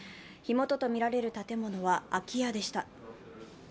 火元とみられる建物は空き家でした。